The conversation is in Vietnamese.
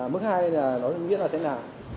mức hai nó nghĩa là thế nào